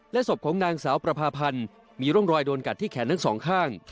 ศพของนางสาวประพาพันธ์มีร่องรอยโดนกัดที่แขนทั้งสองข้าง